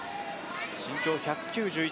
身長１９１。